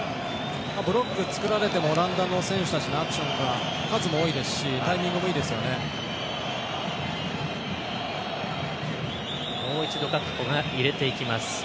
ブロック作られてもオランダの選手たちのアクションが数も多いですしタイミングもいいですよね。